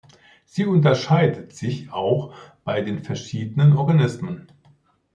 Sie unterscheidet sich auch bei verschiedenen Organismen.